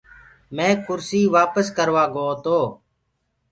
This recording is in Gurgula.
مينٚ ڪُرسي وآپس ڪروآ گو تو۔